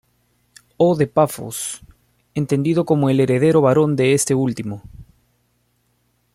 O de Pafos, entendido como el heredero varón de este último.